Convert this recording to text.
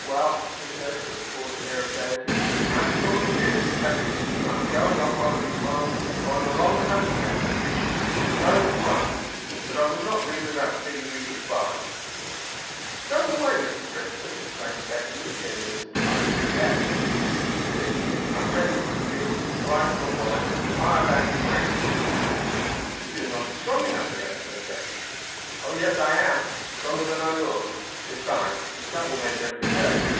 "Well," he said, with a forced air of gaiety, "I have sought you here to tell you that I am going off on on a long hunting expedition. Going at once but I would not leave without bidding you good bye." "Going away, Mr Brixton!" exclaimed Betty, in genuine surprise. "Yes. As you see, I am ready for the field, with rifle and wallet, firebag and blanket." "But you are not yet strong enough," said Betty. "Oh! yes, I am stronger than I look. Besides, that will mend every day.